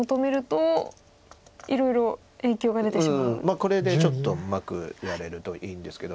これでちょっとうまくやれるといいんですけど。